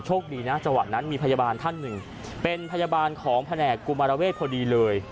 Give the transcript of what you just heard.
ดีนะจังหวะนั้นมีพยาบาลท่านหนึ่งเป็นพยาบาลของแผนกกุมารเวศพอดีเลย